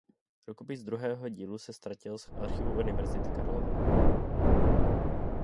Rukopis druhého dílu se ztratil z Archivu Univerzity Karlovy.